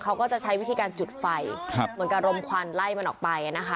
เขาก็จะใช้วิธีการจุดไฟเหมือนกับรมควันไล่มันออกไปนะคะ